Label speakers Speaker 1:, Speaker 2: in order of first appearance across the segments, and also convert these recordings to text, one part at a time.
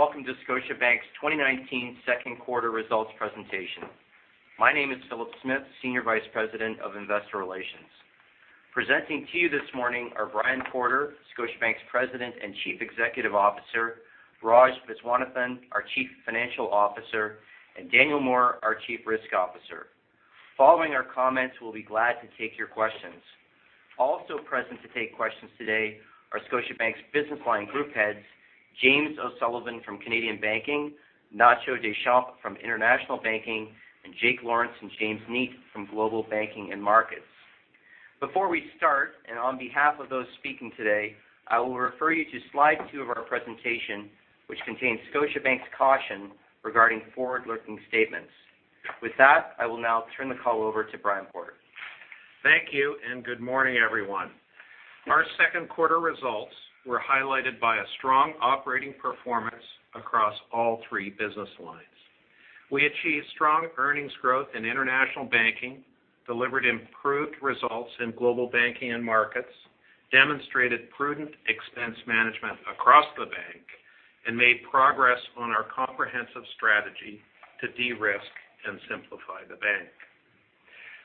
Speaker 1: Good morning, welcome to Scotiabank's 2019 second quarter results presentation. My name is Philip Smith, Senior Vice President of Investor Relations. Presenting to you this morning are Brian Porter, Scotiabank's President and Chief Executive Officer, Raj Viswanathan, our Chief Financial Officer, and Daniel Moore, our Chief Risk Officer. Following our comments, we will be glad to take your questions. Also present to take questions today are Scotiabank's business line group heads, James O'Sullivan from Canadian Banking, Ignacio Deschamps from International Banking, and Jake Lawrence and James Neate from Global Banking and Markets. Before we start, on behalf of those speaking today, I will refer you to slide two of our presentation, which contains Scotiabank's caution regarding forward-looking statements. With that, I will now turn the call over to Brian Porter.
Speaker 2: Thank you, good morning, everyone. Our second quarter results were highlighted by a strong operating performance across all three business lines. We achieved strong earnings growth in International Banking, delivered improved results in Global Banking and Markets, demonstrated prudent expense management across the bank, and made progress on our comprehensive strategy to de-risk and simplify the bank.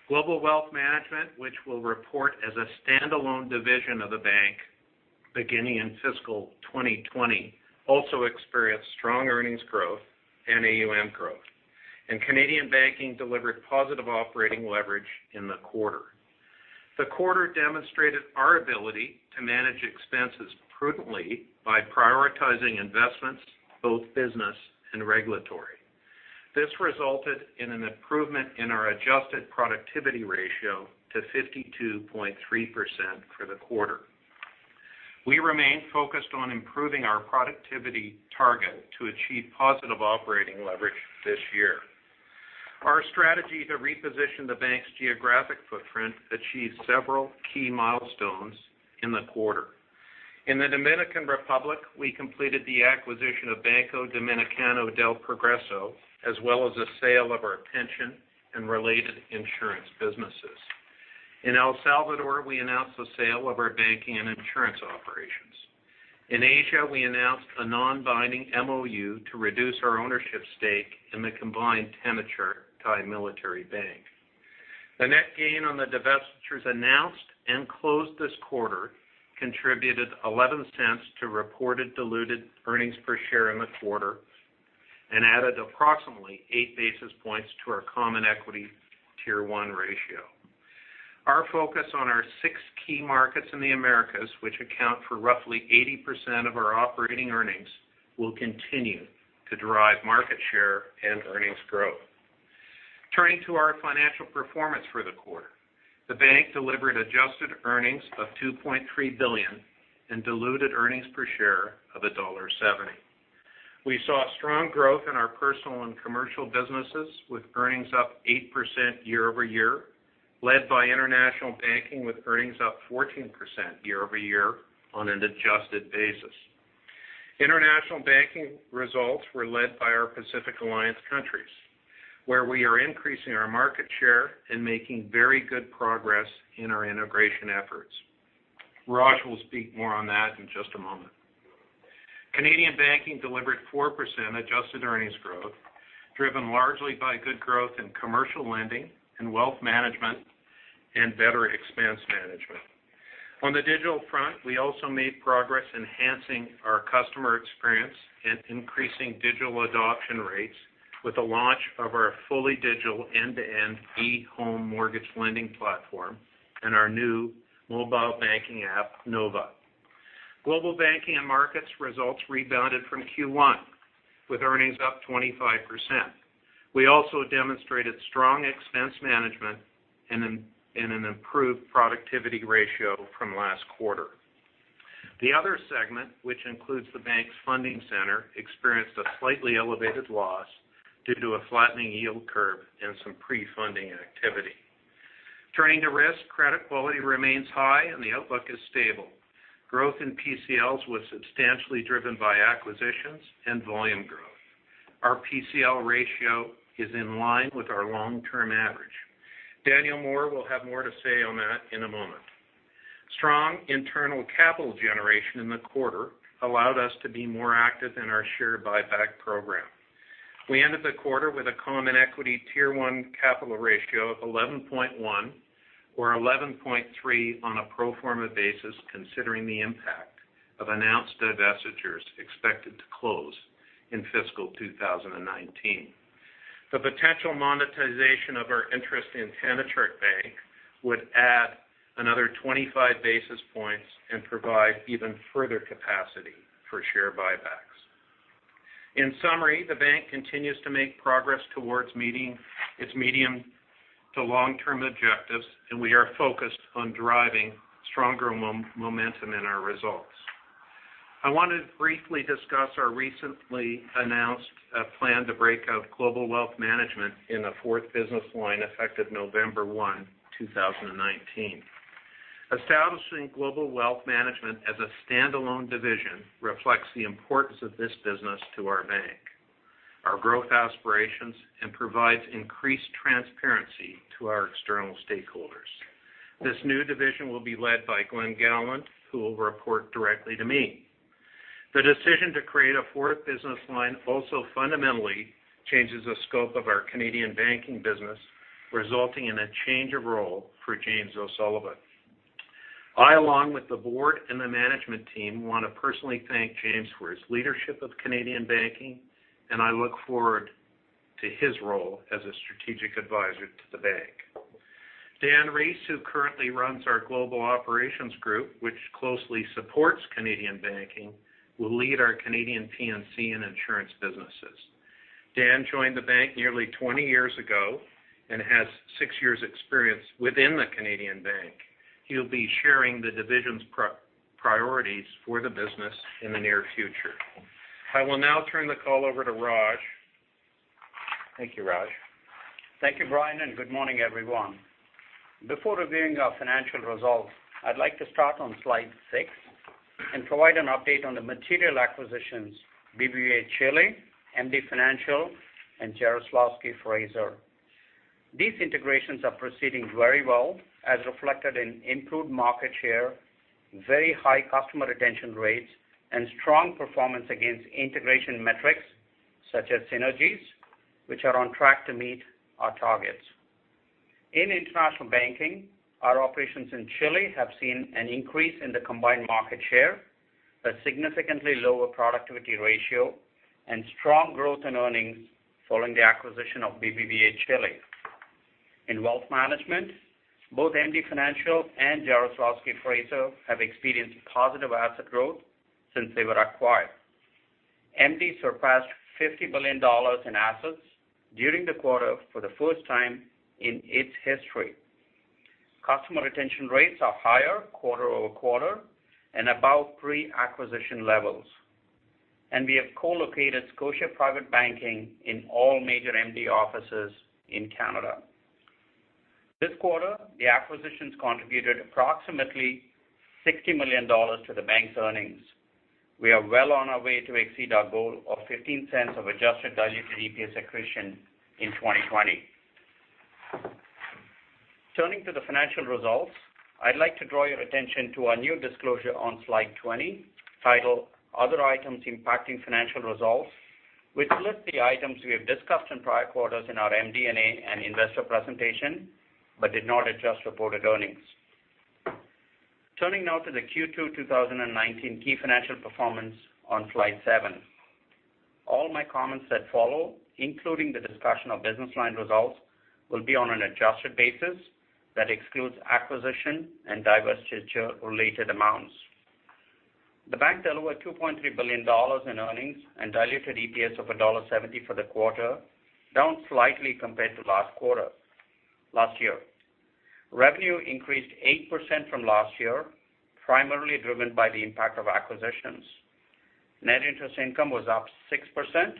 Speaker 2: Global Wealth Management, which will report as a standalone division of the bank beginning in fiscal 2020, also experienced strong earnings growth and AUM growth. Canadian Banking delivered positive operating leverage in the quarter. The quarter demonstrated our ability to manage expenses prudently by prioritizing investments, both business and regulatory. This resulted in an improvement in our adjusted productivity ratio to 52.3% for the quarter. We remain focused on improving our productivity target to achieve positive operating leverage this year. Our strategy to reposition the bank's geographic footprint achieved several key milestones in the quarter. In the Dominican Republic, we completed the acquisition of Banco Dominicano del Progreso, as well as the sale of our pension and related insurance businesses. In El Salvador, we announced the sale of our banking and insurance operations. In Asia, we announced a non-binding MoU to reduce our ownership stake in the combined TMBThanachart Bank. The net gain on the divestitures announced and closed this quarter contributed 0.11 to reported diluted earnings per share in the quarter and added approximately eight basis points to our common equity Tier One ratio. Our focus on our six key markets in the Americas, which account for roughly 80% of our operating earnings, will continue to drive market share and earnings growth. Turning to our financial performance for the quarter. The bank delivered adjusted earnings of 2.3 billion and diluted earnings per share of dollar 1.70. We saw strong growth in our personal and commercial businesses, with earnings up 8% year-over-year, led by International Banking with earnings up 14% year-over-year on an adjusted basis. International Banking results were led by our Pacific Alliance countries, where we are increasing our market share and making very good progress in our integration efforts. Raj will speak more on that in just a moment. Canadian Banking delivered 4% adjusted earnings growth, driven largely by good growth in commercial lending and wealth management and better expense management. On the digital front, we also made progress enhancing our customer experience and increasing digital adoption rates with the launch of our fully digital end-to-end eHOME mortgage lending platform and our new mobile banking app, Nova. Global Banking and Markets results rebounded from Q1, with earnings up 25%. We also demonstrated strong expense management and an improved productivity ratio from last quarter. The other segment, which includes the bank's funding center, experienced a slightly elevated loss due to a flattening yield curve and some pre-funding activity. Turning to risk, credit quality remains high and the outlook is stable. Growth in PCLs was substantially driven by acquisitions and volume growth. Our PCL ratio is in line with our long-term average. Daniel Moore will have more to say on that in a moment. Strong internal capital generation in the quarter allowed us to be more active in our share buyback program. We ended the quarter with a common equity Tier 1 capital ratio of 11.1 or 11.3 on a pro forma basis, considering the impact of announced divestitures expected to close in fiscal 2019. The potential monetization of our interest in Thanachart Bank would add another 25 basis points and provide even further capacity for share buybacks. In summary, the bank continues to make progress towards meeting its medium to long-term objectives, and we are focused on driving stronger momentum in our results. I want to briefly discuss our recently announced plan to break out Global Wealth Management in a fourth business line effective November 1, 2019. Establishing Global Wealth Management as a standalone division reflects the importance of this business to our bank. Our growth aspirations and provides increased transparency to our external stakeholders. This new division will be led by Glen Gowland, who will report directly to me. The decision to create a fourth business line also fundamentally changes the scope of our Canadian Banking business, resulting in a change of role for James O'Sullivan. I, along with the board and the management team, want to personally thank James for his leadership of Canadian Banking, and I look forward to his role as a strategic advisor to the bank. Dan Rees, who currently runs our global operations group, which closely supports Canadian Banking, will lead our Canadian P&C and insurance businesses. Dan joined the bank nearly 20 years ago and has six years' experience within the Canadian bank. He'll be sharing the division's priorities for the business in the near future. I will now turn the call over to Raj. Thank you, Raj.
Speaker 3: Thank you, Brian, and good morning, everyone. Before reviewing our financial results, I'd like to start on slide six and provide an update on the material acquisitions, BBVA Chile, MD Financial, and Jarislowsky Fraser. These integrations are proceeding very well, as reflected in improved market share, very high customer retention rates, and strong performance against integration metrics, such as synergies, which are on track to meet our targets. In International Banking, our operations in Chile have seen an increase in the combined market share, a significantly lower productivity ratio, and strong growth in earnings following the acquisition of BBVA Chile. In wealth management, both MD Financial and Jarislowsky Fraser have experienced positive asset growth since they were acquired. MD surpassed 50 billion dollars in assets during the quarter for the first time in its history. Customer retention rates are higher quarter-over-quarter and above pre-acquisition levels. We have co-located Scotia Private Banking in all major MD offices in Canada. This quarter, the acquisitions contributed approximately 60 million dollars to the bank's earnings. We are well on our way to exceed our goal of 0.15 of adjusted diluted EPS accretion in 2020. Turning to the financial results, I'd like to draw your attention to our new disclosure on slide 20, titled Other Items Impacting Financial Results, which lists the items we have discussed in prior quarters in our MD&A and investor presentation, but did not adjust reported earnings. Turning now to the Q2 2019 key financial performance on slide seven. All my comments that follow, including the discussion of business line results, will be on an adjusted basis that excludes acquisition and divestiture-related amounts. The bank delivered 2.3 billion dollars in earnings and diluted EPS of dollar 1.70 for the quarter, down slightly compared to last year. Revenue increased 8% from last year, primarily driven by the impact of acquisitions. Net interest income was up 6%,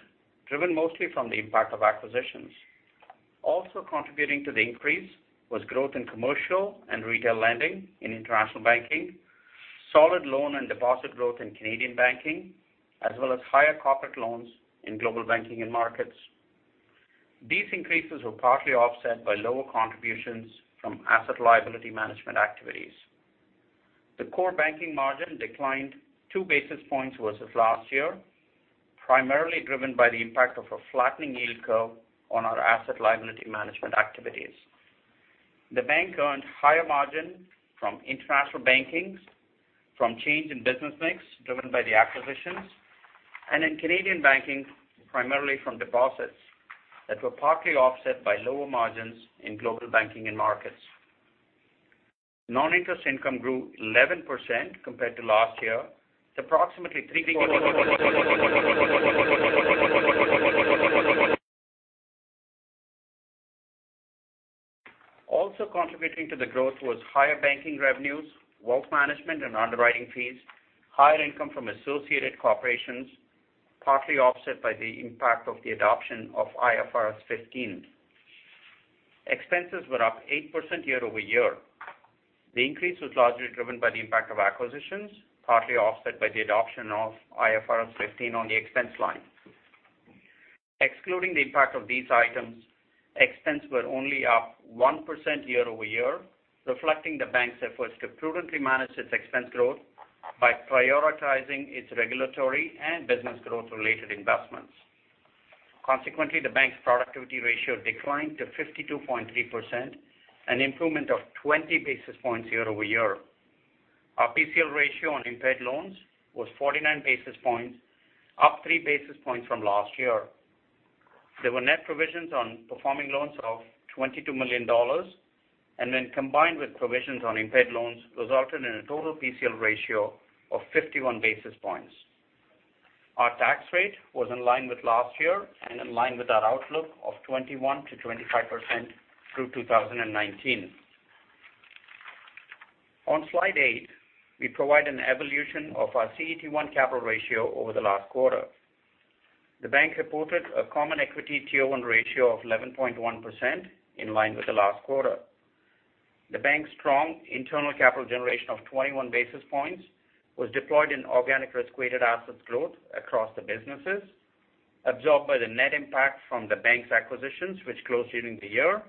Speaker 3: driven mostly from the impact of acquisitions. Also contributing to the increase was growth in commercial and retail lending in International Banking, solid loan and deposit growth in Canadian Banking, as well as higher corporate loans in Global Banking and Markets. These increases were partly offset by lower contributions from asset liability management activities. The core banking margin declined two basis points versus last year, primarily driven by the impact of a flattening yield curve on our asset liability management activities. The bank earned higher margin from International Banking, from change in business mix driven by the acquisitions, and in Canadian Banking, primarily from deposits that were partly offset by lower margins in Global Banking and Markets. Non-interest income grew 11% compared to last year. Also contributing to the growth was higher banking revenues, wealth management and underwriting fees, higher income from associated corporations, partly offset by the impact of the adoption of IFRS 15. Expenses were up 8% year-over-year. The increase was largely driven by the impact of acquisitions, partly offset by the adoption of IFRS 15 on the expense line. Excluding the impact of these items, expense were only up 1% year-over-year, reflecting the bank's efforts to prudently manage its expense growth by prioritizing its regulatory and business growth-related investments. Consequently, the bank's productivity ratio declined to 52.3%, an improvement of 20 basis points year-over-year. Our PCL ratio on impaired loans was 49 basis points, up three basis points from last year. There were net provisions on performing loans of 22 million dollars, then combined with provisions on impaired loans, resulted in a total PCL ratio of 51 basis points. Our tax rate was in line with last year and in line with our outlook of 21%-25% through 2019. On slide eight, we provide an evolution of our CET1 capital ratio over the last quarter. The bank reported a common equity Tier 1 ratio of 11.1%, in line with the last quarter. The bank's strong internal capital generation of 21 basis points was deployed in organic risk-weighted assets growth across the businesses, absorbed by the net impact from the bank's acquisitions, which closed during the year,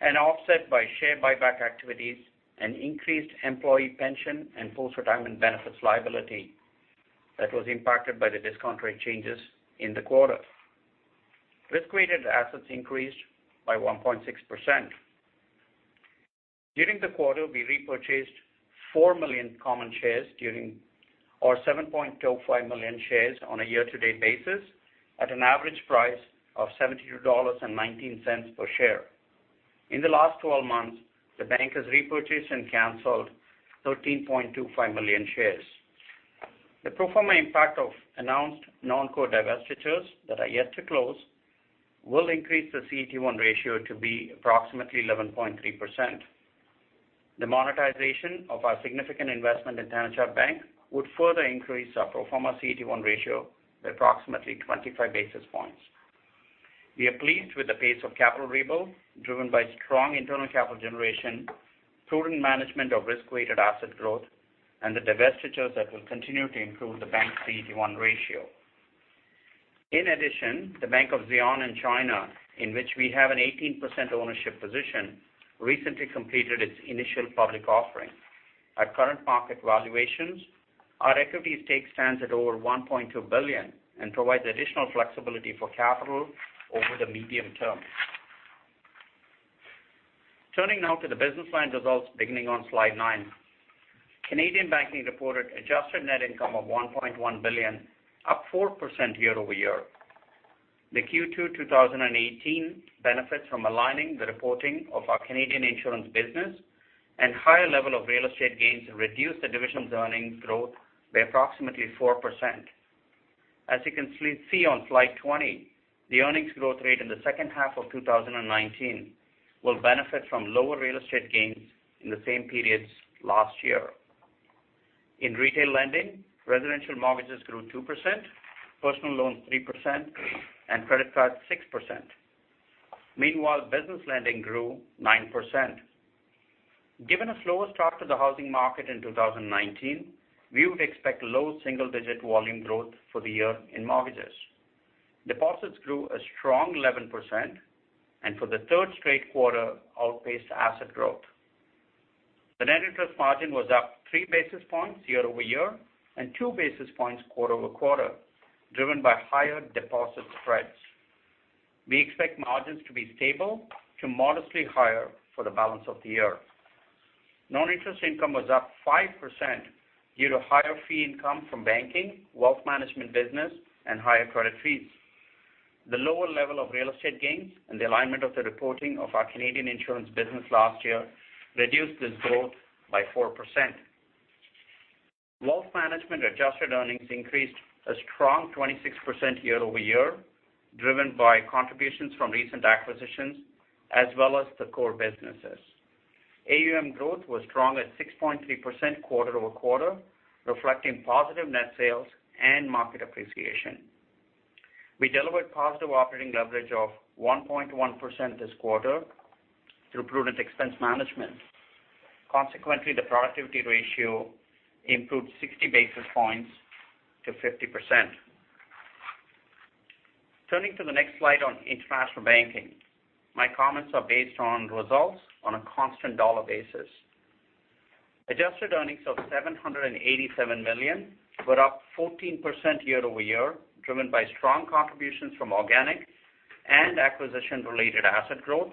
Speaker 3: and offset by share buyback activities and increased employee pension and post-retirement benefits liability that was impacted by the discount rate changes in the quarter. Risk-weighted assets increased by 1.6%. During the quarter, we repurchased 4 million common shares, or 7.05 million shares on a year-to-date basis, at an average price of 72.19 dollars per share. In the last 12 months, the bank has repurchased and canceled 13.25 million shares. The pro forma impact of announced non-core divestitures that are yet to close will increase the CET1 ratio to be approximately 11.3%. The monetization of our significant investment in Thanachart Bank would further increase our pro forma CET1 ratio by approximately 25 basis points. We are pleased with the pace of capital rebuild driven by strong internal capital generation, prudent management of risk-weighted asset growth, and the divestitures that will continue to improve the bank's CET1 ratio. In addition, the Bank of Xi'an in China, in which we have an 18% ownership position, recently completed its initial public offering. At current market valuations, our equity stake stands at over 1.2 billion and provides additional flexibility for capital over the medium term. Turning now to the business line results beginning on slide nine. Canadian Banking reported adjusted net income of 1.1 billion, up 4% year-over-year. The Q2 2018 benefits from aligning the reporting of our Canadian insurance business and higher level of real estate gains reduced the division's earnings growth by approximately 4%. As you can see on slide 20, the earnings growth rate in the second half of 2019 will benefit from lower real estate gains in the same periods last year. In retail lending, residential mortgages grew 2%, personal loans 3%, and credit cards 6%. Meanwhile, business lending grew 9%. Given a slower start to the housing market in 2019, we would expect low single-digit volume growth for the year in mortgages. Deposits grew a strong 11% and for the third straight quarter, outpaced asset growth. The net interest margin was up 3 basis points year-over-year and 2 basis points quarter-over-quarter, driven by higher deposit spreads. We expect margins to be stable to modestly higher for the balance of the year. Non-interest income was up 5% due to higher fee income from banking, Global Wealth Management business, and higher credit fees. The lower level of real estate gains and the alignment of the reporting of our Canadian insurance business last year reduced this growth by 4%. Global Wealth Management adjusted earnings increased a strong 26% year-over-year, driven by contributions from recent acquisitions as well as the core businesses. AUM growth was strong at 6.3% quarter-over-quarter, reflecting positive net sales and market appreciation. We delivered positive operating leverage of 1.1% this quarter through prudent expense management. Consequently, the productivity ratio improved 60 basis points to 50%. Turning to the next slide on International Banking. My comments are based on results on a constant dollar basis. Adjusted earnings of 787 million were up 14% year-over-year, driven by strong contributions from organic and acquisition-related asset growth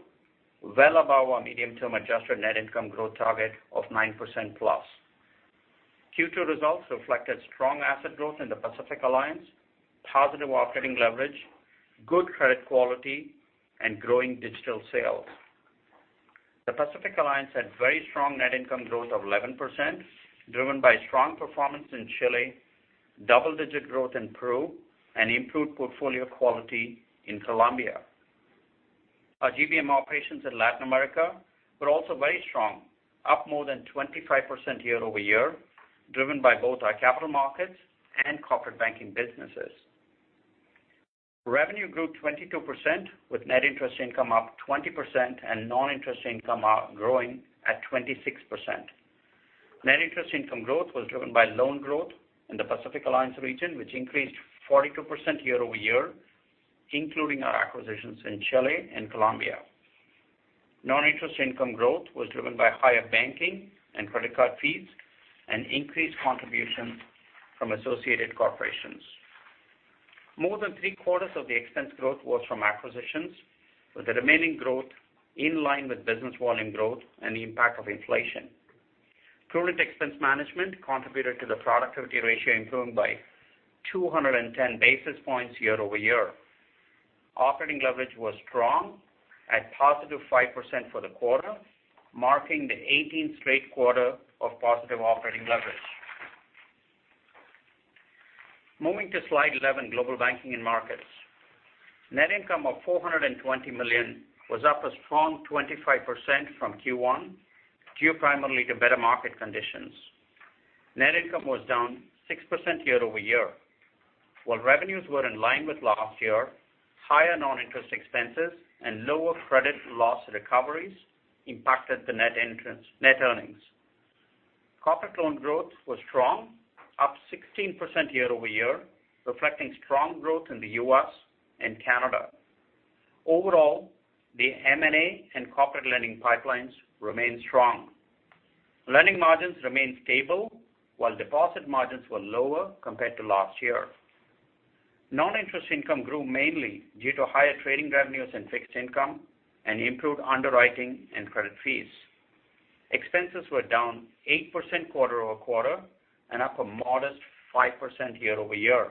Speaker 3: well above our medium-term adjusted net income growth target of 9% plus. Q2 results reflected strong asset growth in the Pacific Alliance, positive operating leverage, good credit quality, and growing digital sales. The Pacific Alliance had very strong net income growth of 11%, driven by strong performance in Chile, double-digit growth in Peru, and improved portfolio quality in Colombia. Our GBM operations in Latin America were also very strong, up more than 25% year-over-year, driven by both our capital markets and corporate banking businesses. Revenue grew 22%, with net interest income up 20% and non-interest income growing at 26%. Net interest income growth was driven by loan growth in the Pacific Alliance region, which increased 42% year-over-year, including our acquisitions in Chile and Colombia. Non-interest income growth was driven by higher banking and credit card fees and increased contributions from associated corporations. More than three-quarters of the expense growth was from acquisitions, with the remaining growth in line with business volume growth and the impact of inflation. Prudent expense management contributed to the productivity ratio improving by 210 basis points year-over-year. Operating leverage was strong at positive five% for the quarter, marking the 18th straight quarter of positive operating leverage. Moving to slide 11, Global Banking and Markets. Net income of 420 million was up a strong 25% from Q1 due primarily to better market conditions. Net income was down six% year-over-year. Revenues were in line with last year, higher non-interest expenses and lower credit loss recoveries impacted the net earnings. Corporate loan growth was strong, up 16% year-over-year, reflecting strong growth in the U.S. and Canada. Overall, the M&A and corporate lending pipelines remain strong. Lending margins remain stable, deposit margins were lower compared to last year. Non-interest income grew mainly due to higher trading revenues and fixed income and improved underwriting and credit fees. Expenses were down eight% quarter-over-quarter and up a modest five% year-over-year.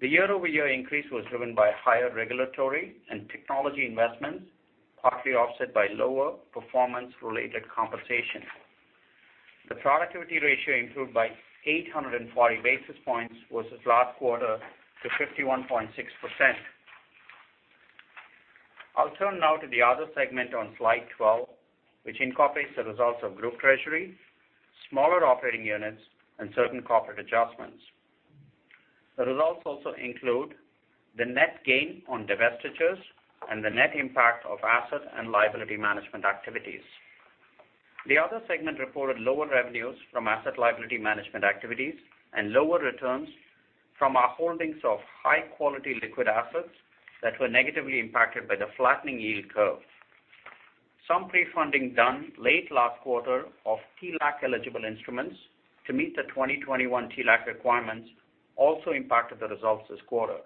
Speaker 3: The year-over-year increase was driven by higher regulatory and technology investments, partly offset by lower performance-related compensation. The productivity ratio improved by 840 basis points versus last quarter to 51.6%. I'll turn now to the other segment on slide 12, which encompasses the results of group treasury, smaller operating units, and certain corporate adjustments. The results also include the net gain on divestitures and the net impact of asset and liability management activities. The other segment reported lower revenues from asset liability management activities and lower returns from our holdings of high-quality liquid assets that were negatively impacted by the flattening yield curve. Some pre-funding done late last quarter of TLAC-eligible instruments to meet the 2021 TLAC requirements also impacted the results this quarter.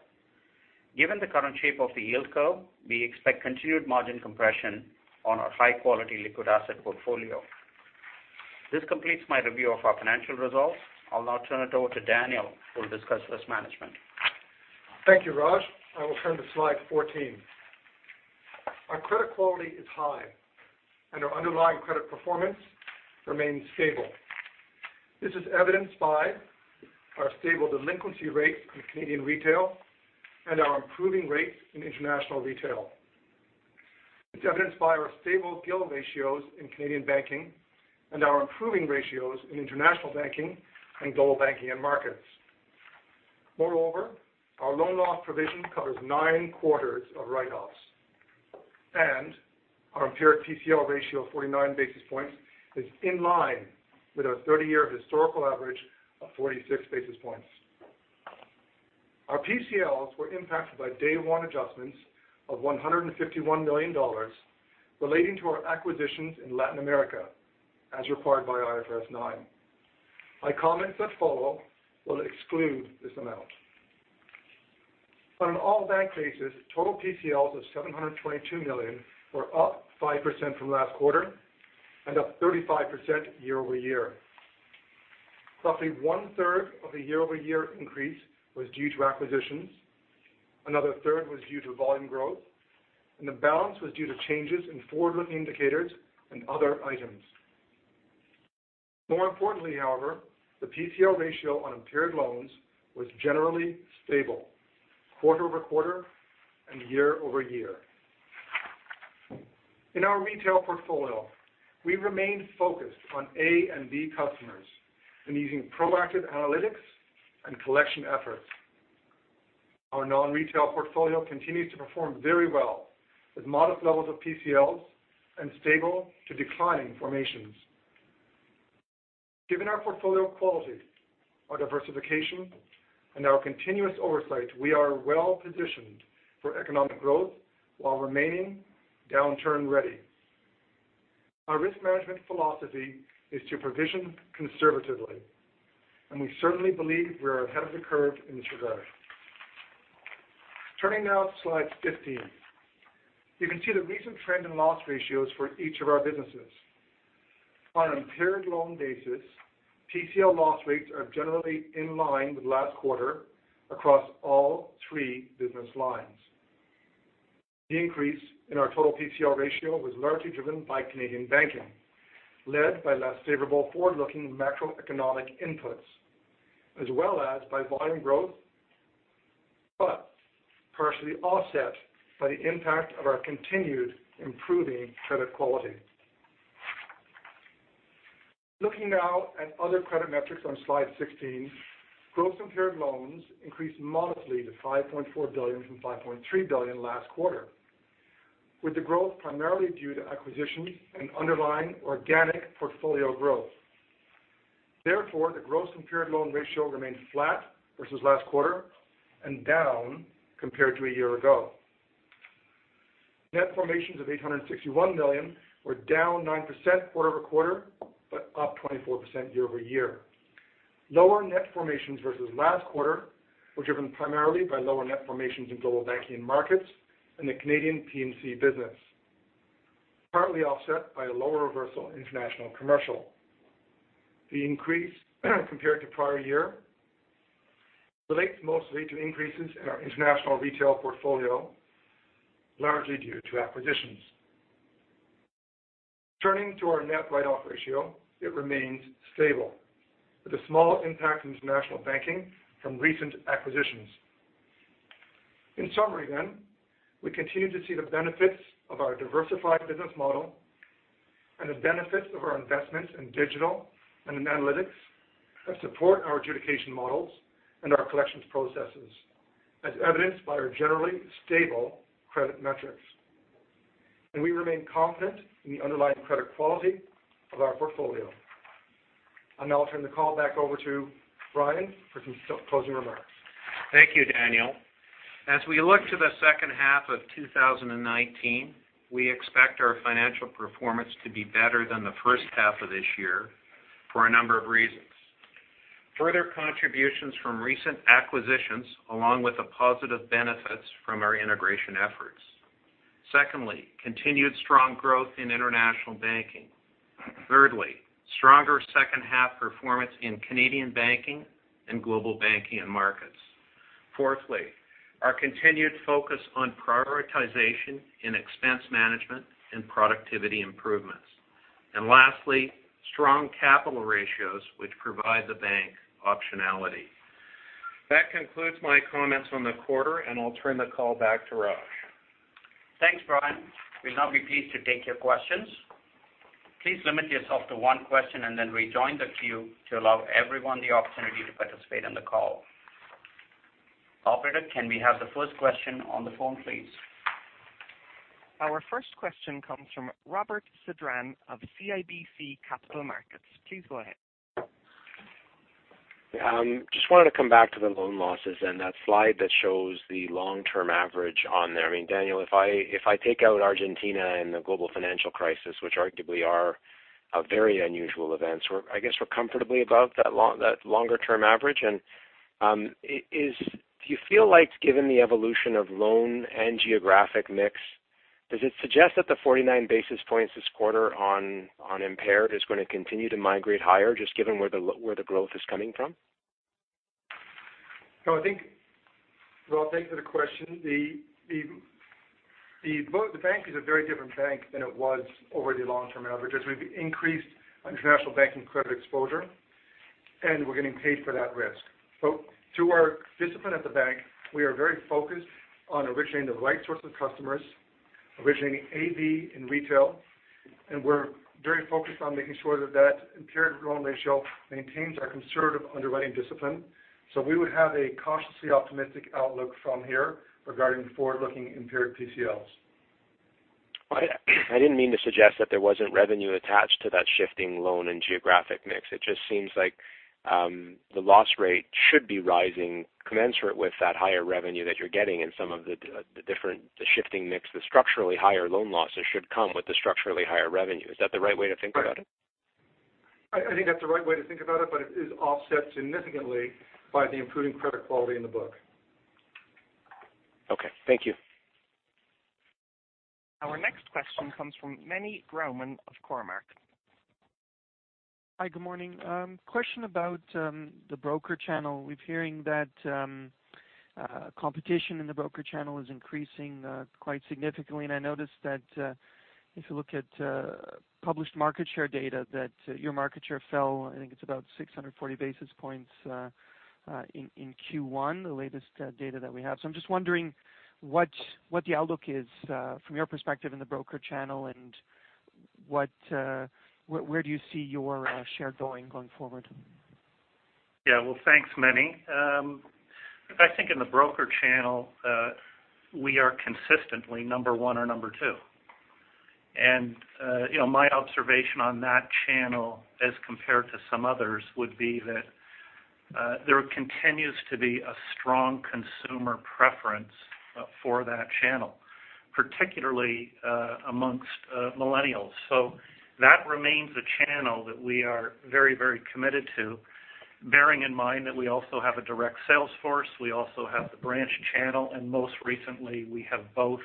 Speaker 3: Given the current shape of the yield curve, we expect continued margin compression on our high-quality liquid asset portfolio. This completes my review of our financial results. I'll now turn it over to Daniel, who will discuss risk management.
Speaker 4: Thank you, Raj. I will turn to slide 14. Our credit quality is high, and our underlying credit performance remains stable. This is evidenced by our stable delinquency rate in Canadian retail and our improving rates in international retail. It's evidenced by our stable GIL ratios in Canadian Banking and our improving ratios in International Banking and Global Banking and Markets. Moreover, our loan loss provision covers nine quarters of write-offs, and our impaired PCL ratio of 49 basis points is in line with our 30-year historical average of 46 basis points. Our PCLs were impacted by day one adjustments of 151 million dollars relating to our acquisitions in Latin America, as required by IFRS 9. My comments that follow will exclude this amount. On an all-bank basis, total PCLs of 722 million were up five% from last quarter and up 35% year-over-year. Roughly one-third of the year-over-year increase was due to acquisitions. Another third was due to volume growth. The balance was due to changes in forward-looking indicators and other items. More importantly, however, the PCL ratio on impaired loans was generally stable quarter-over-quarter and year-over-year. In our retail portfolio, we remained focused on A and B customers and using proactive analytics and collection efforts. Our non-retail portfolio continues to perform very well, with modest levels of PCLs and stable to declining formations. Given our portfolio quality, our diversification, and our continuous oversight, we are well-positioned for economic growth while remaining downturn-ready. Our risk management philosophy is to provision conservatively. We certainly believe we are ahead of the curve in this regard. Turning now to slide 15. You can see the recent trend in loss ratios for each of our businesses. On an impaired loan basis, PCL loss rates are generally in line with last quarter across all three business lines. The increase in our total PCL ratio was largely driven by Canadian Banking, led by less favorable forward-looking macroeconomic inputs, as well as by volume growth, partially offset by the impact of our continued improving credit quality. Looking now at other credit metrics on slide 16, gross impaired loans increased modestly to 5.4 billion from 5.3 billion last quarter, with the growth primarily due to acquisitions and underlying organic portfolio growth. The gross impaired loan ratio remains flat versus last quarter and down compared to a year ago. Net formations of 861 million were down 9% quarter-over-quarter, up 24% year-over-year. Lower net formations versus last quarter were driven primarily by lower net formations in Global Banking and Markets and the Canadian P&C business, partly offset by a lower reversal in international commercial. The increase compared to prior year relates mostly to increases in our international retail portfolio, largely due to acquisitions. Turning to our net write-off ratio, it remains stable with a small impact in International Banking from recent acquisitions. In summary, we continue to see the benefits of our diversified business model and the benefits of our investment in digital and in analytics that support our adjudication models and our collections processes, as evidenced by our generally stable credit metrics. We remain confident in the underlying credit quality of our portfolio. I'll now turn the call back over to Brian for some closing remarks.
Speaker 2: Thank you, Daniel. As we look to the second half of 2019, we expect our financial performance to be better than the first half of this year for a number of reasons. Further contributions from recent acquisitions, along with the positive benefits from our integration efforts. Secondly, continued strong growth in International Banking. Thirdly, stronger second half performance in Canadian Banking and Global Banking and Markets. Fourthly, our continued focus on prioritization in expense management and productivity improvements. Lastly, strong capital ratios which provide the bank optionality. That concludes my comments on the quarter. I'll turn the call back to Raj.
Speaker 3: Thanks, Brian. We'll now be pleased to take your questions. Please limit yourself to one question and then rejoin the queue to allow everyone the opportunity to participate in the call. Operator, can we have the first question on the phone, please?
Speaker 5: Our first question comes from Robert Sedran of CIBC Capital Markets. Please go ahead.
Speaker 6: Just wanted to come back to the loan losses and that slide that shows the long-term average on there. Daniel, if I take out Argentina and the global financial crisis, which arguably are very unusual events, I guess we're comfortably above that longer-term average. Do you feel like given the evolution of loan and geographic mix, does it suggest that the 49 basis points this quarter on impaired is going to continue to migrate higher, just given where the growth is coming from?
Speaker 4: Well, thanks for the question. The bank is a very different bank than it was over the long-term averages. We've increased International Banking credit exposure, and we're getting paid for that risk. To our discipline at the bank, we are very focused on originating the right source of customers, originating AB in retail, and we're very focused on making sure that that impaired loan ratio maintains our conservative underwriting discipline. We would have a cautiously optimistic outlook from here regarding forward-looking impaired PCLs.
Speaker 6: I didn't mean to suggest that there wasn't revenue attached to that shifting loan and geographic mix. It just seems like the loss rate should be rising commensurate with that higher revenue that you're getting in some of the different shifting mix. The structurally higher loan losses should come with the structurally higher revenue. Is that the right way to think about it?
Speaker 4: I think that's the right way to think about it is offset significantly by the improving credit quality in the book.
Speaker 6: Okay. Thank you.
Speaker 5: Our next question comes from Meny Grauman of Cormark.
Speaker 7: Hi. Good morning. Question about the broker channel. We're hearing that competition in the broker channel is increasing quite significantly, and I noticed that if you look at published market share data, that your market share fell, I think it's about 640 basis points in Q1, the latest data that we have. I'm just wondering what the outlook is from your perspective in the broker channel and where do you see your share going forward?
Speaker 8: Yeah. Well, thanks, Meny. I think in the broker channel we are consistently number 1 or number 2. My observation on that channel as compared to some others would be that there continues to be a strong consumer preference for that channel, particularly amongst millennials. That remains a channel that we are very committed to. Bearing in mind that we also have a direct sales force, we also have the branch channel, and most recently we have both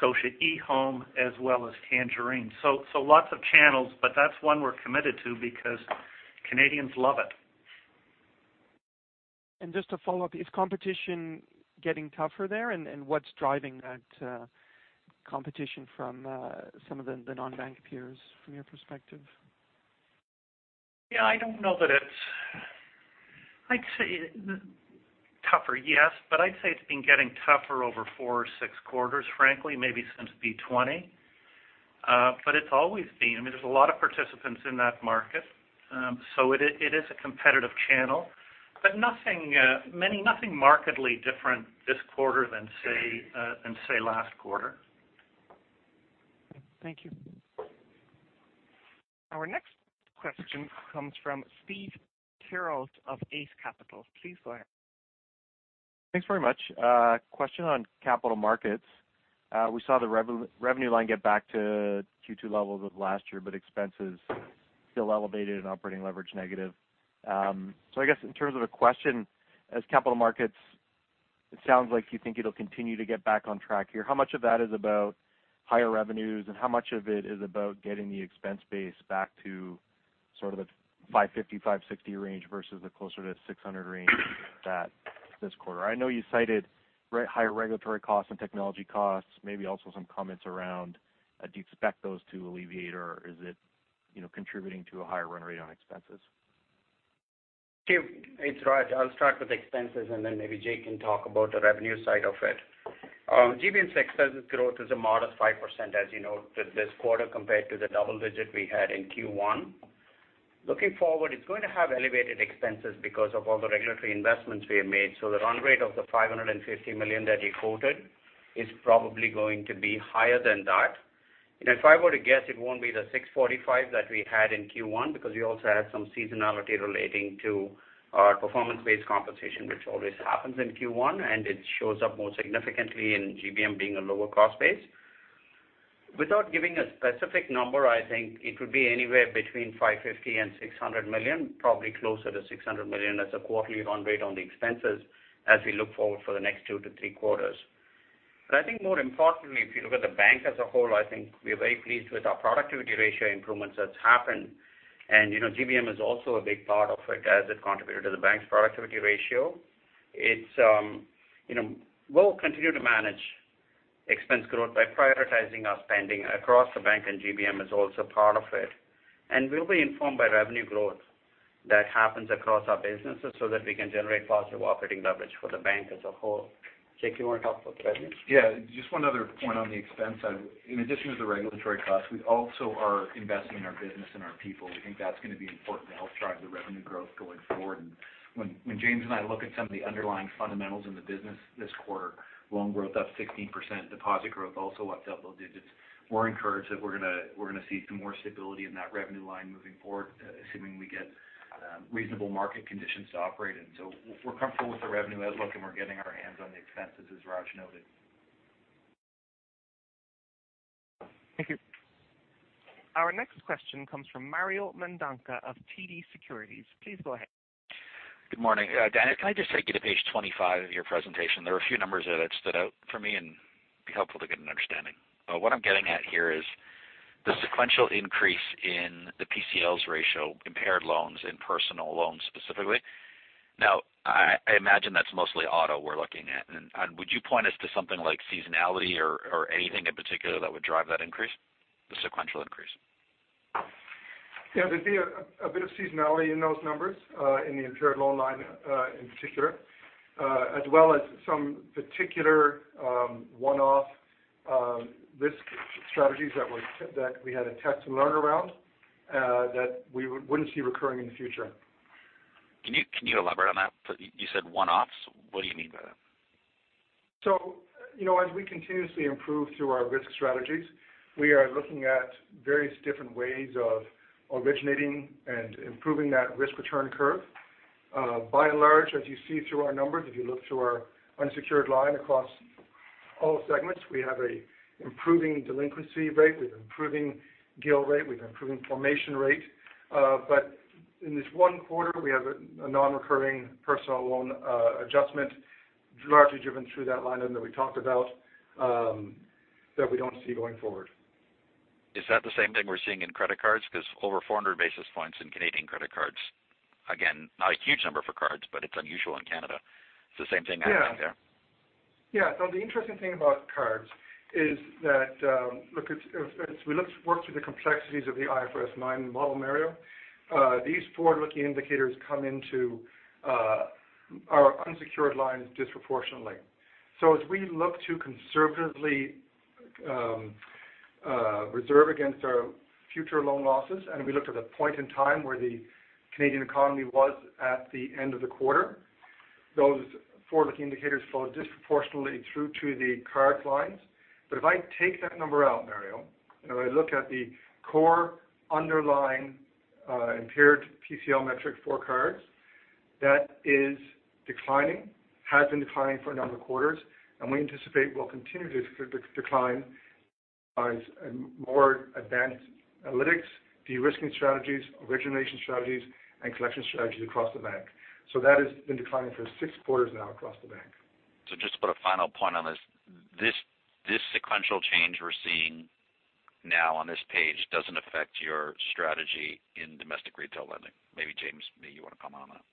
Speaker 8: Scotiabank eHOME as well as Tangerine. Lots of channels, but that's one we're committed to because Canadians love it.
Speaker 7: Just to follow up, is competition getting tougher there? What's driving that competition from some of the non-bank peers from your perspective?
Speaker 8: Yeah, I don't know that it's Tougher, yes, but I'd say it's been getting tougher over four or six quarters, frankly, maybe since B20. It's always been. There's a lot of participants in that market. It is a competitive channel, but Meny, nothing markedly different this quarter than, say last quarter.
Speaker 7: Thank you.
Speaker 5: Our next question comes from Steve Theriault of Eight Capital. Please go ahead.
Speaker 9: Thanks very much. A question on capital markets. We saw the revenue line get back to Q2 levels of last year, but expenses still elevated and operating leverage negative. I guess in terms of the question as capital markets, it sounds like you think it'll continue to get back on track here. How much of that is about higher revenues and how much of it is about getting the expense base back to sort of a 550 million-560 million range versus the closer to 600 million range that this quarter? I know you cited higher regulatory costs and technology costs, maybe also some comments around do you expect those to alleviate or is it contributing to a higher run rate on expenses?
Speaker 3: Sure. It's Raj. I'll start with expenses, and then maybe Jake can talk about the revenue side of it. GBM's expenses growth is a modest 5%, as you know, this quarter, compared to the double digit we had in Q1. Looking forward, it's going to have elevated expenses because of all the regulatory investments we have made. The run rate of the 550 million that you quoted is probably going to be higher than that. And if I were to guess, it won't be the 645 million that we had in Q1 because we also had some seasonality relating to our performance-based compensation, which always happens in Q1, and it shows up more significantly in GBM being a lower cost base. Without giving a specific number, I think it would be anywhere between 550 million and 600 million, probably closer to 600 million as a quarterly run rate on the expenses as we look forward for the next two to three quarters. I think more importantly, if you look at the bank as a whole, I think we are very pleased with our productivity ratio improvements that's happened. GBM is also a big part of it as it contributed to the bank's productivity ratio. We'll continue to manage expense growth by prioritizing our spending across the bank, and GBM is also part of it. We'll be informed by revenue growth that happens across our businesses so that we can generate positive operating leverage for the bank as a whole. Jake, do you want to talk about the revenue?
Speaker 10: Yeah. Just one other point on the expense side. In addition to the regulatory cost, we also are investing in our business and our people. We think that's going to be important to help drive the revenue growth going forward. When James and I look at some of the underlying fundamentals in the business this quarter, loan growth up 16%, deposit growth also up double digits. We're encouraged that we're going to see some more stability in that revenue line moving forward, assuming we get reasonable market conditions to operate in. We're comfortable with the revenue outlook, and we're getting our hands on the expenses, as Raj noted.
Speaker 5: Thank you. Our next question comes from Mario Mendonca of TD Securities. Please go ahead.
Speaker 11: Good morning. Dan, can I just take you to page 25 of your presentation? There are a few numbers there that stood out for me and be helpful to get an understanding. What I'm getting at here is the sequential increase in the PCLs ratio, impaired loans and personal loans specifically. Now, I imagine that's mostly auto we're looking at. Would you point us to something like seasonality or anything in particular that would drive that increase, the sequential increase?
Speaker 4: There'd be a bit of seasonality in those numbers, in the impaired loan line, in particular, as well as some particular one-off risk strategies that we had a test and learn around, that we wouldn't see recurring in the future.
Speaker 11: Can you elaborate on that? You said one-offs. What do you mean by that?
Speaker 4: As we continuously improve through our risk strategies, we are looking at various different ways of originating and improving that risk return curve. By and large, as you see through our numbers, if you look through our unsecured line across all segments, we have an improving delinquency rate. We have improving GIL rate. We have improving formation rate. In this one quarter, we have a non-recurring personal loan adjustment largely driven through that line item that we talked about, that we don't see going forward.
Speaker 11: Is that the same thing we're seeing in credit cards? Because over 400 basis points in Canadian credit cards, again, not a huge number for cards, but it's unusual in Canada. It's the same thing happening there.
Speaker 4: The interesting thing about cards is that as we work through the complexities of the IFRS 9 model, Mario, these forward-looking indicators come into our unsecured lines disproportionately. As we look to conservatively reserve against our future loan losses, and we looked at a point in time where the Canadian economy was at the end of the quarter, those forward-looking indicators flow disproportionately through to the cards lines. If I take that number out, Mario, and if I look at the core underlying impaired PCL metric for cards, that is declining, has been declining for a number of quarters, and we anticipate will continue to decline as more advanced analytics, de-risking strategies, origination strategies, and collection strategies across the Bank. That has been declining for 6 quarters now across the Bank.
Speaker 11: Just to put a final point on this sequential change we're seeing now on this page doesn't affect your strategy in domestic retail lending. Maybe James, maybe you want to comment on that.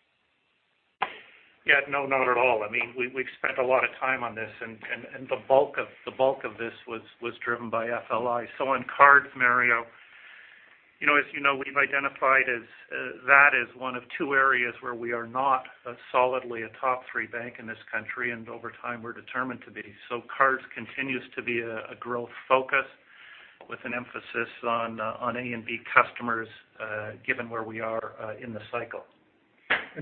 Speaker 8: Not at all. We've spent a lot of time on this, and the bulk of this was driven by FLIs. On cards, Mario, as you know, we've identified that as one of two areas where we are not solidly a top three bank in this country, and over time, we're determined to be. Cards continues to be a growth focus with an emphasis on A and B customers, given where we are in the cycle.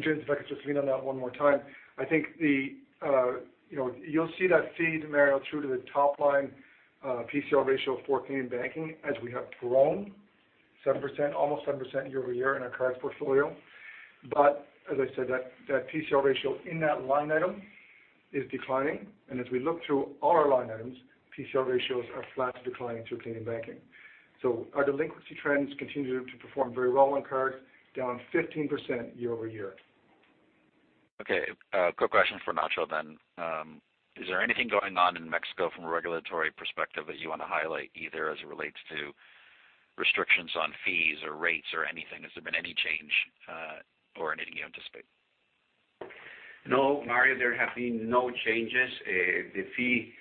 Speaker 4: James, if I could just lean on that one more time. I think you'll see that feed, Mario, through to the top line PCL ratio for Canadian Banking as we have grown almost 7% year-over-year in our cards portfolio. As I said, that PCL ratio in that line item is declining, and as we look through all our line items, PCL ratios are flat to declining through Canadian Banking. Our delinquency trends continue to perform very well on cards, down 15% year-over-year.
Speaker 11: Okay. A quick question for Nacho. Is there anything going on in Mexico from a regulatory perspective that you want to highlight, either as it relates to restrictions on fees or rates or anything? Has there been any change, or any you anticipate?
Speaker 12: No, Mario, there have been no changes. The fee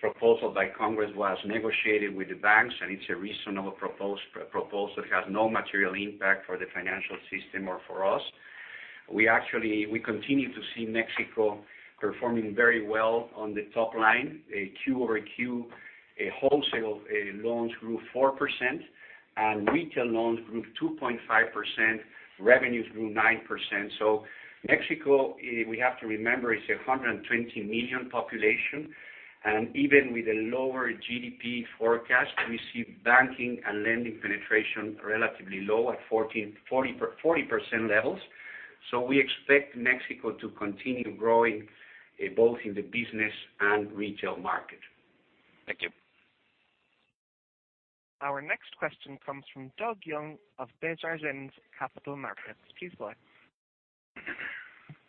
Speaker 12: proposal by Congress was negotiated with the banks. It's a reasonable proposal. It has no material impact for the financial system or for us. We continue to see Mexico performing very well on the top line. Quarter-over-quarter, wholesale loans grew 4%. Retail loans grew 2.5%. Revenues grew 9%. Mexico, we have to remember, is 120 million population. Even with a lower GDP forecast, we see banking and lending penetration relatively low at 40% levels. We expect Mexico to continue growing both in the business and retail market.
Speaker 11: Thank you.
Speaker 5: Our next question comes from Doug Young of Desjardins Capital Markets. Please go ahead.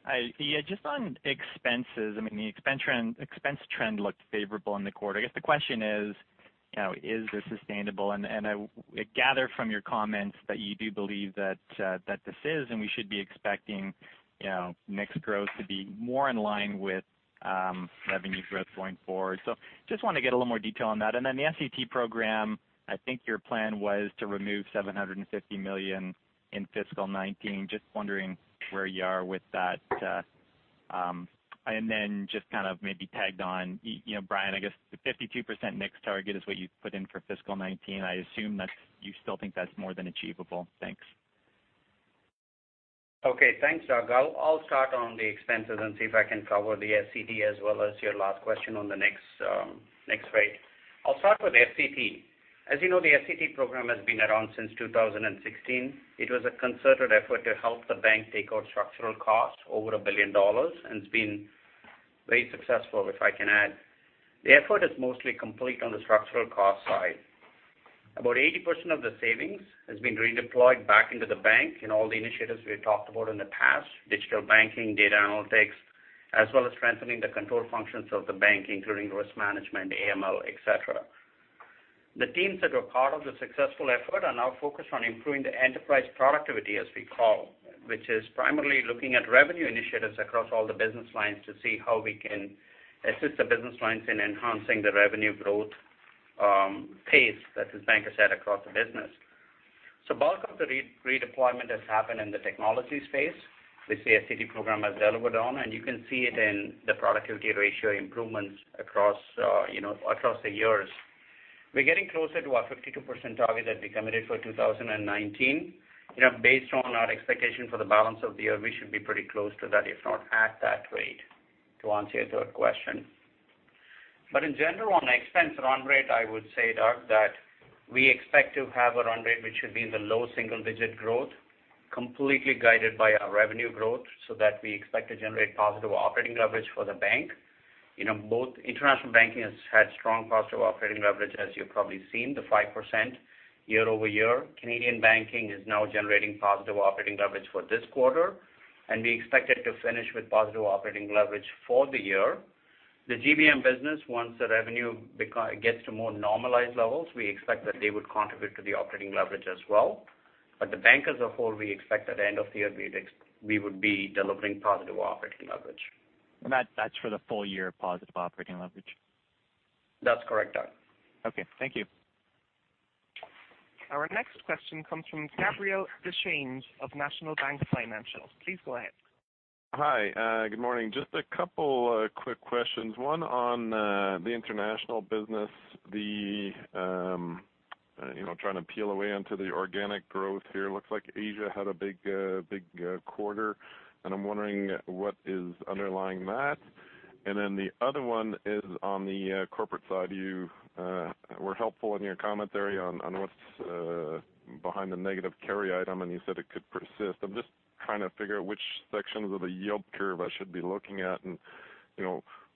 Speaker 13: Hi. Just on expenses. The expense trend looked favorable in the quarter. I guess the question is this sustainable? I gather from your comments that you do believe that this is, and we should be expecting NIX growth to be more in line with revenue growth going forward. Just want to get a little more detail on that. The SCT program, I think your plan was to remove 750 million in fiscal 2019. Just wondering where you are with that. Just maybe tagged on, Brian, I guess the 52% NIX target is what you put in for fiscal 2019. I assume that you still think that's more than achievable. Thanks.
Speaker 3: Okay. Thanks, Doug. I'll start on the expenses and see if I can cover the SCT as well as your last question on the NIX rate. I'll start with SCT. As you know, the SCT program has been around since 2016. It was a concerted effort to help the bank take out structural costs, over 1 billion dollars, and it's been very successful, if I can add. The effort is mostly complete on the structural cost side. About 80% of the savings has been redeployed back into the bank in all the initiatives we had talked about in the past, digital banking, data analytics, as well as strengthening the control functions of the bank, including risk management, AML, et cetera. The teams that were part of the successful effort are now focused on improving the enterprise productivity, as we call, which is primarily looking at revenue initiatives across all the business lines to see how we can assist the business lines in enhancing the revenue growth pace that is bank set across the business. Bulk of the redeployment has happened in the technology space. The SCT program has delivered on, and you can see it in the productivity ratio improvements across the years. We're getting closer to our 52% target that we committed for 2019. Based on our expectation for the balance of the year, we should be pretty close to that, if not at that rate, to answer your third question. In general, on expense run rate, I would say, Doug, that we expect to have a run rate which should be in the low single-digit growth, completely guided by our revenue growth, so that we expect to generate positive operating leverage for the bank. Both International Banking has had strong positive operating leverage, as you've probably seen, the 5% year-over-year. Canadian Banking is now generating positive operating leverage for this quarter, and we expect it to finish with positive operating leverage for the year. The GBM business, once the revenue gets to more normalized levels, we expect that they would contribute to the operating leverage as well. The bank as a whole, we expect at the end of the year, we would be delivering positive operating leverage.
Speaker 13: That's for the full year positive operating leverage?
Speaker 3: That's correct, Doug.
Speaker 13: Okay, thank you.
Speaker 5: Our next question comes from Gabriel Dechaine of National Bank Financial. Please go ahead.
Speaker 14: Hi, good morning. Just a couple quick questions. One on the international business. Trying to peel away into the organic growth here. Looks like Asia had a big quarter. I'm wondering what is underlying that. The other one is on the corporate side. You were helpful in your commentary on what's behind the negative carry item. You said it could persist. I'm just trying to figure out which sections of the yield curve I should be looking at and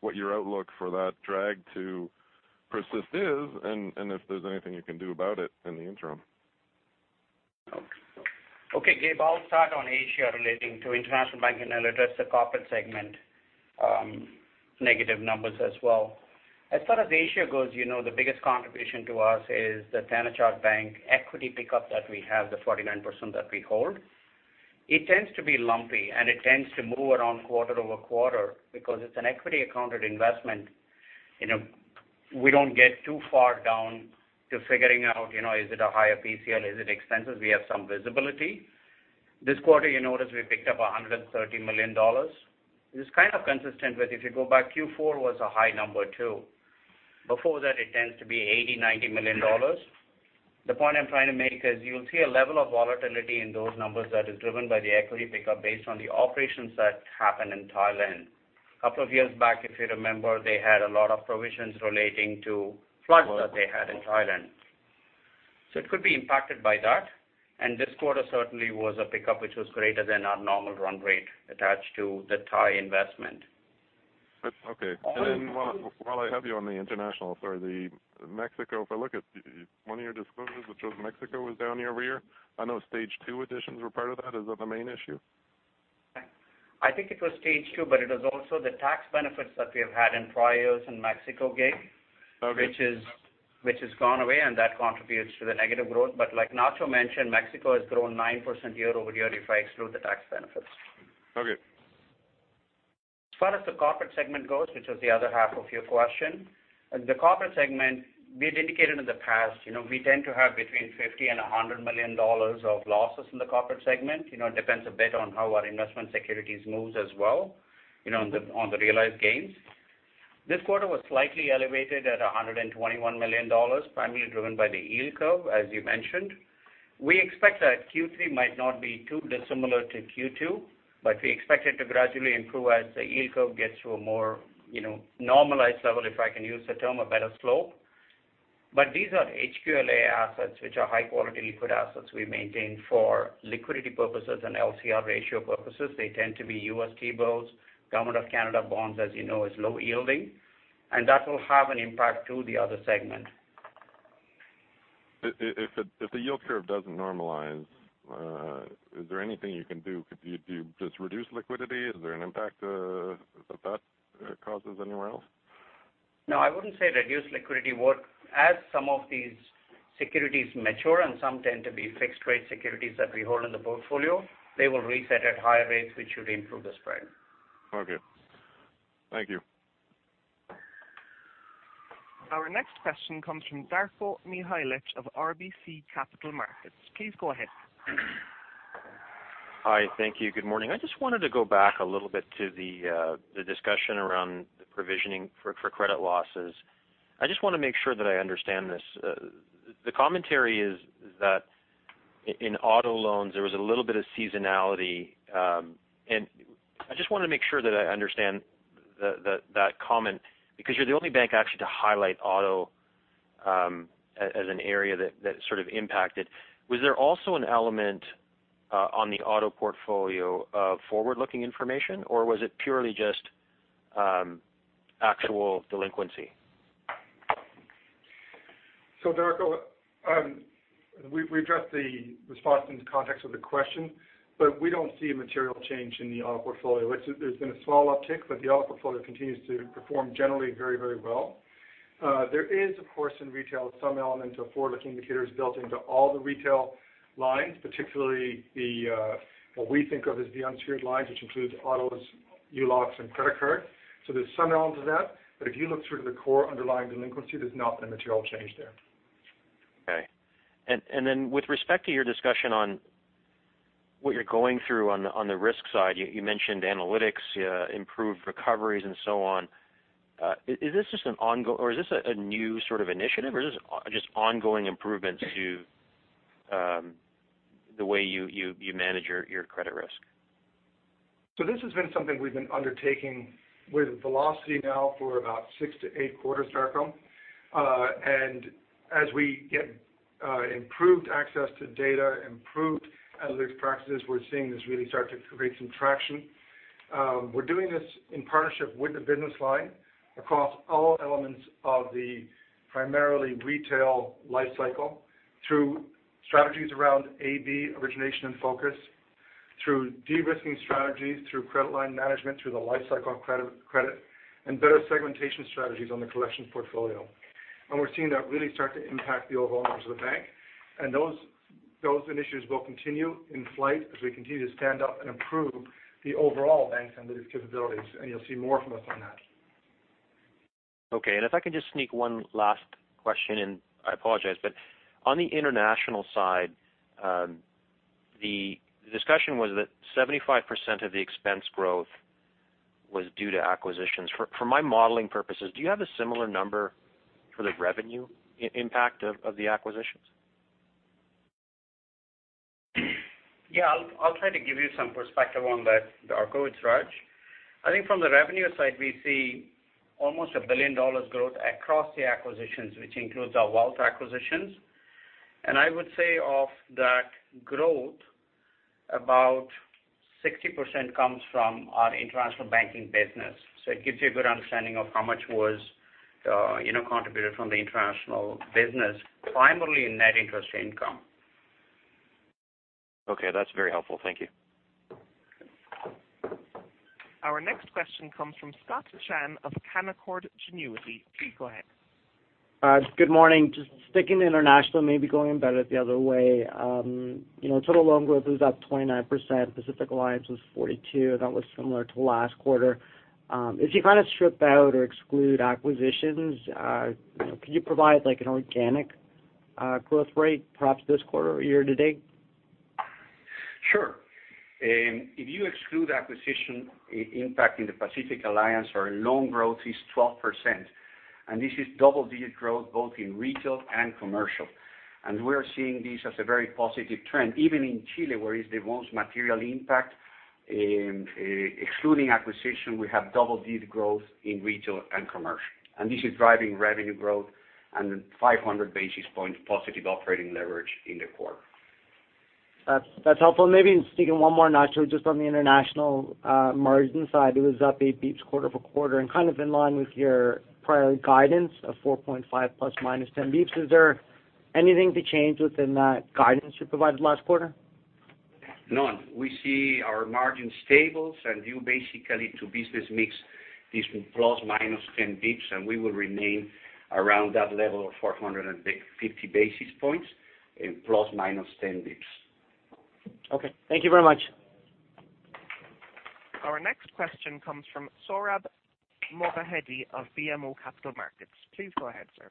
Speaker 14: what your outlook for that drag to persist is, and if there's anything you can do about it in the interim.
Speaker 3: Okay, Gabriel, I'll start on Asia relating to International Banking. I'll address the corporate segment negative numbers as well. As far as Asia goes, the biggest contribution to us is the Thanachart Bank equity pickup that we have, the 49% that we hold. It tends to be lumpy. It tends to move around quarter-over-quarter because it's an equity accounted investment. We don't get too far down to figuring out, is it a higher PCL? Is it expenses? We have some visibility. This quarter, you notice we picked up 130 million dollars. This is kind of consistent with if you go back, Q4 was a high number, too. Before that, it tends to be 80 million, 90 million dollars. The point I'm trying to make is you'll see a level of volatility in those numbers that is driven by the equity pickup based on the operations that happen in Thailand. Couple of years back, if you remember, they had a lot of provisions relating to floods that they had in Thailand. It could be impacted by that. This quarter certainly was a pickup, which was greater than our normal run rate attached to the Thai investment.
Speaker 14: Okay. While I have you on the international, sorry, the Mexico, if I look at one of your disclosures, which was Mexico was down year-over-year. I know stage 2 additions were part of that. Is that the main issue?
Speaker 3: I think it was stage 2, but it was also the tax benefits that we have had in prior years in Mexico, Gabe.
Speaker 14: Okay
Speaker 3: Which has gone away, and that contributes to the negative growth. Like Nacho mentioned, Mexico has grown 9% year-over-year if I exclude the tax benefits.
Speaker 14: Okay.
Speaker 3: As far as the corporate segment goes, which was the other half of your question. The corporate segment, we had indicated in the past, we tend to have between 50 million and 100 million dollars of losses in the corporate segment. It depends a bit on how our investment securities moves as well, on the realized gains. This quarter was slightly elevated at 121 million dollars, primarily driven by the yield curve, as you mentioned. We expect that Q3 might not be too dissimilar to Q2, we expect it to gradually improve as the yield curve gets to a more normalized level, if I can use the term, a better slope. These are HQLA assets, which are high-quality liquid assets we maintain for liquidity purposes and LCR ratio purposes. They tend to be U.S. T-bills. Government of Canada bonds, as you know, is low yielding, and that will have an impact to the other segment.
Speaker 14: If the yield curve doesn't normalize, is there anything you can do? Do you just reduce liquidity? Is there an impact that that causes anywhere else?
Speaker 3: I wouldn't say reduced liquidity. As some of these securities mature, and some tend to be fixed rate securities that we hold in the portfolio, they will reset at higher rates, which should improve the spread.
Speaker 14: Thank you.
Speaker 5: Our next question comes from Darko Mihelic of RBC Capital Markets. Please go ahead.
Speaker 15: Hi. Thank you. Good morning. I just wanted to go back a little bit to the discussion around the provisioning for credit losses. I just want to make sure that I understand this. The commentary is that in auto loans, there was a little bit of seasonality. I just want to make sure that I understand that comment because you're the only bank actually to highlight auto as an area that sort of impacted. Was there also an element on the auto portfolio of forward-looking information, or was it purely just actual delinquency?
Speaker 4: Darko, we addressed the response in the context of the question, but we don't see a material change in the auto portfolio. There's been a small uptick, but the auto portfolio continues to perform generally very well. There is, of course, in retail, some element of forward-looking indicators built into all the retail lines, particularly what we think of as the unsecured lines, which includes autos, ULOCs, and credit card. There's some element of that, but if you look through to the core underlying delinquency, there's not been a material change there.
Speaker 15: Okay. Then with respect to your discussion on what you're going through on the risk side, you mentioned analytics, improved recoveries and so on. Is this a new sort of initiative, or is this just ongoing improvements to the way you manage your credit risk?
Speaker 4: This has been something we've been undertaking with velocity now for about six to eight quarters, Darko. As we get improved access to data, improved analytics practices, we're seeing this really start to create some traction. We're doing this in partnership with the business line across all elements of the primarily retail life cycle through strategies around A, B origination and focus, through de-risking strategies, through credit line management, through the life cycle of credit, and better segmentation strategies on the collections portfolio. We're seeing that really start to impact the overall earnings of the bank. Those initiatives will continue in flight as we continue to stand up and improve the overall bank's analytics capabilities, and you'll see more from us on that.
Speaker 15: Okay. If I can just sneak one last question in, I apologize. On the international side, the discussion was that 75% of the expense growth was due to acquisitions. For my modeling purposes, do you have a similar number for the revenue impact of the acquisitions?
Speaker 3: Yeah, I'll try to give you some perspective on that, Darko. It's Raj. I think from the revenue side, we see almost 1 billion dollars growth across the acquisitions, which includes our wealth acquisitions. I would say of that growth, about 60% comes from our International Banking business. It gives you a good understanding of how much was contributed from the International Banking business, primarily in net interest income.
Speaker 15: Okay. That's very helpful. Thank you.
Speaker 5: Our next question comes from Scott Chan of Canaccord Genuity. Please go ahead.
Speaker 16: Good morning. Just sticking to international, maybe going about it the other way. Total loan growth was up 29%, Pacific Alliance was 42%, that was similar to last quarter. If you kind of strip out or exclude acquisitions, can you provide like an organic growth rate, perhaps this quarter or year to date?
Speaker 3: Sure. If you exclude acquisition impact in the Pacific Alliance, our loan growth is 12%. This is double-digit growth both in retail and commercial. We are seeing this as a very positive trend, even in Chile, where is the most material impact. Excluding acquisition, we have double-digit growth in retail and commercial, and this is driving revenue growth and 500 basis point positive operating leverage in the quarter.
Speaker 16: That's helpful. Maybe sticking one more, Nacho, just on the international margin side. It was up eight basis points quarter-over-quarter and kind of in line with your prior guidance of 4.5 plus or minus 10 basis points. Is there anything to change within that guidance you provided last quarter?
Speaker 12: None. We see our margin stable and you basically to business mix, this will plus minus 10 basis points, and we will remain around that level of 450 basis points in plus minus 10 basis points.
Speaker 16: Okay. Thank you very much.
Speaker 5: Our next question comes from Sohrab Movahedi of BMO Capital Markets. Please go ahead, sir.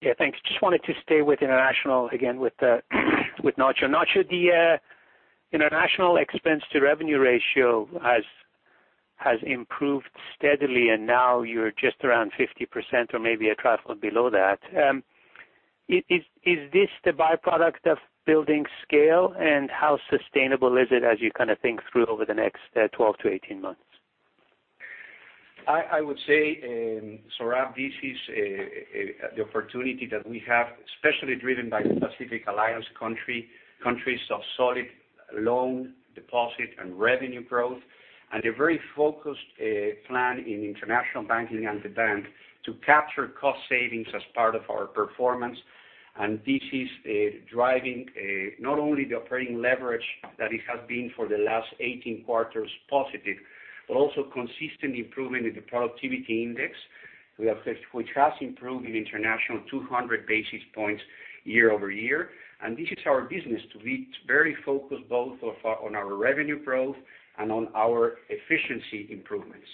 Speaker 17: Yeah, thanks. Just wanted to stay with International again with Nacho. Nacho, the International expense to revenue ratio has improved steadily, and now you're just around 50% or maybe a trifle below that. Is this the byproduct of building scale, and how sustainable is it as you think through over the next 12 to 18 months?
Speaker 12: I would say, Sohrab, this is the opportunity that we have, especially driven by Pacific Alliance countries of solid loan, deposit, and revenue growth, and a very focused plan in International Banking and the bank to capture cost savings as part of our performance. This is driving not only the operating leverage that it has been for the last 18 quarters positive, but also consistent improvement in the productivity index, which has improved in International 200 basis points year-over-year. This is our business to be very focused both on our revenue growth and on our efficiency improvements.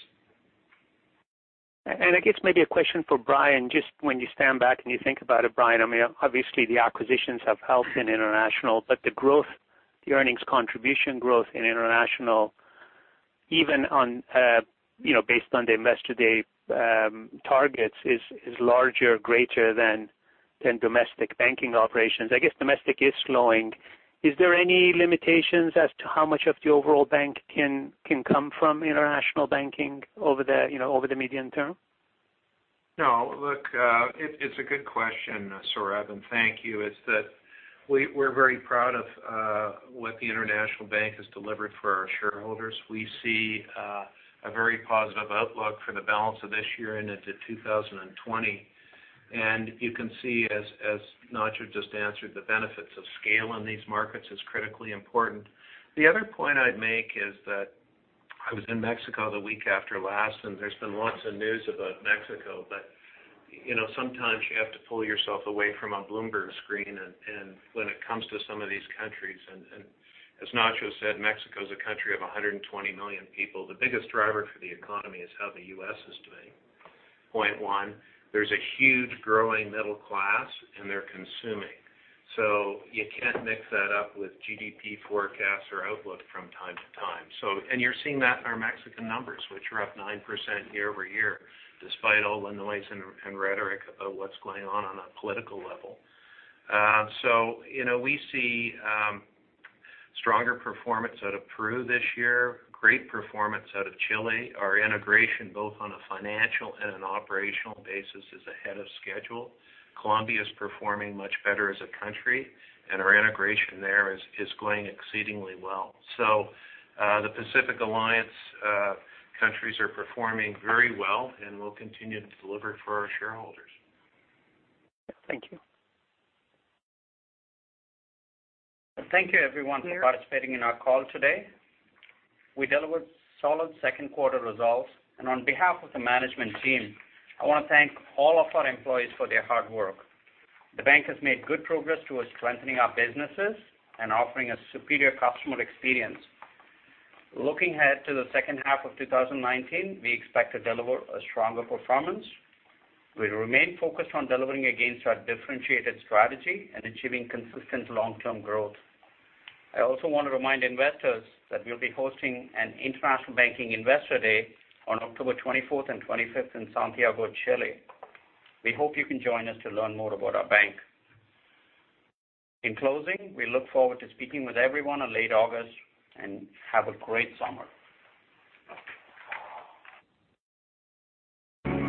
Speaker 17: I guess maybe a question for Brian, just when you stand back and you think about it, Brian, obviously the acquisitions have helped in international, but the earnings contribution growth in international, even based on the Investor Day targets, is larger, greater than domestic banking operations. I guess domestic is slowing. Is there any limitations as to how much of the overall bank can come from international banking over the medium term?
Speaker 2: No. Look, it's a good question, Sohrab, thank you. We're very proud of what the international bank has delivered for our shareholders. We see a very positive outlook for the balance of this year and into 2020. You can see, as Nacho just answered, the benefits of scale in these markets is critically important. The other point I'd make is that I was in Mexico the week after last, there's been lots of news about Mexico. Sometimes you have to pull yourself away from a Bloomberg screen when it comes to some of these countries. As Nacho said, Mexico is a country of 120 million people. The biggest driver for the economy is how the U.S. is doing, point one. There's a huge growing middle class, and they're consuming. You can't mix that up with GDP forecasts or outlook from time to time. You're seeing that in our Mexican numbers, which are up 9% year-over-year, despite all the noise and rhetoric about what's going on on a political level. We see stronger performance out of Peru this year, great performance out of Chile. Our integration, both on a financial and an operational basis, is ahead of schedule. Colombia is performing much better as a country, and our integration there is going exceedingly well. The Pacific Alliance countries are performing very well and will continue to deliver for our shareholders.
Speaker 17: Thank you.
Speaker 2: Thank you everyone for participating in our call today. We delivered solid second quarter results. On behalf of the management team, I want to thank all of our employees for their hard work. The bank has made good progress towards strengthening our businesses and offering a superior customer experience. Looking ahead to the second half of 2019, we expect to deliver a stronger performance. We remain focused on delivering against our differentiated strategy and achieving consistent long-term growth. I also want to remind investors that we'll be hosting an International Banking Investor Day on October 24th and 25th in Santiago, Chile. We hope you can join us to learn more about our bank. In closing, we look forward to speaking with everyone in late August, and have a great summer.